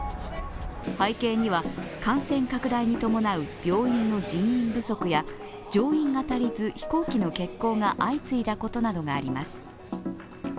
背景には感染拡大に伴う病院の人員不足や乗員が足りず飛行機の欠航が相次いだことがあります。